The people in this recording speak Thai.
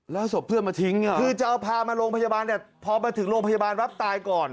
แล้วศพเพื่อนมาทิ้งคือจะเอาพามาโรงพยาบาลแต่พอมาถึงโรงพยาบาลปั๊บตายก่อน